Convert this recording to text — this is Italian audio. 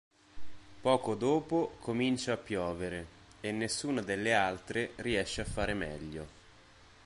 Poco dopo comincia a piovere e nessuna delle altre riesce a fare meglio.